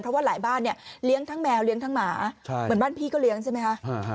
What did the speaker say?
เพราะว่าหลายบ้านเนี่ยเลี้ยงทั้งแมวเลี้ยงทั้งหมาเหมือนบ้านพี่ก็เลี้ยงใช่ไหมคะ